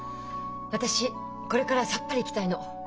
私これからはさっぱり生きたいの。